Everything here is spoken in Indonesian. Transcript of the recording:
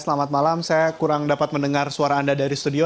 selamat malam saya kurang dapat mendengar suara anda dari studio